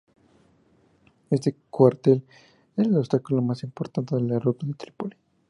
Este cuartel era el obstáculo más importante en la ruta a Trípoli.